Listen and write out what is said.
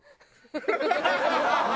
ハハハハ！